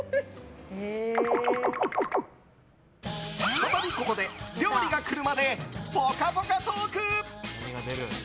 再びここで、料理がくるまでぽかぽかトーク！